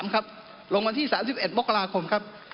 ครับลงวันที่๓๑มกราคมครับ